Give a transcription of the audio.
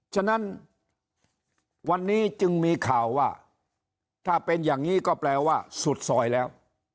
ฉะนั้นวันนี้จึงมีข่าวว่าถ้าเป็นอย่างนี้ก็แปลว่าสุดซอยแล้ว